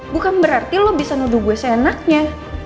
bukan berarti lo bisa menuduh gue seenaknya